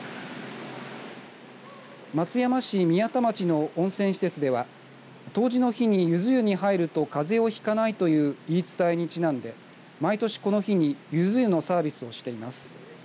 松山市宮田町の温泉施設では冬至の日にゆず湯に入るとかぜをひかないという言い伝えにちなんで毎年、この日にゆず湯のサービスをしています。